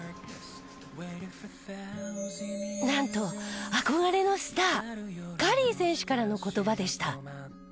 なんと憧れのスターカリー選手からの言葉でした。